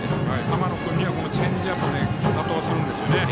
浜野君にはチェンジアップを多投するんですよね。